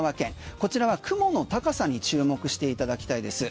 こちらは雲の高さに注目していただきたいです。